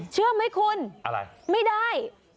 เชื่อไหมคุณไม่ได้